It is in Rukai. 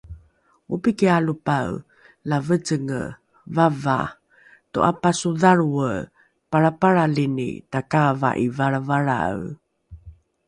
opiki alopae la vecenge vavaa to’apasodhalroe palrapalralini takaava’i valravalrae